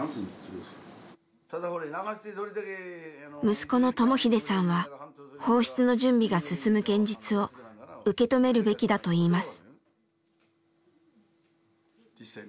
息子の智英さんは放出の準備が進む現実を受け止めるべきだといいます。